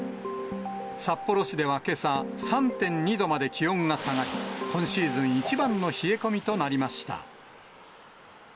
札幌市ではけさ、３．２度まで気温が下がり、今シーズン一番の冷え込みとなりました。